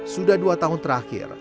sudah dua tahun terakhir